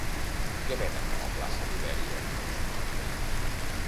Què venen a la plaça d'Ibèria número cinquanta-sis?